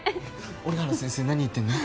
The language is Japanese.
折原先生何言ってるの？